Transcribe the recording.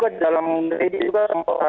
terletakkan di stok sana